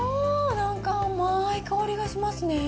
なんか甘い香りがしますね。